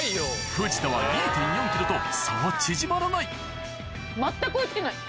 藤田は２．４ｋｇと差が縮まらない全く追い付けない。